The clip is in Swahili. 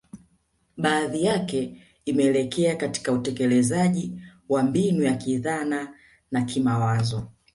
Baadhi yake imeelekea katika utekelezaji wa mbinu ya kidhana na kimawazo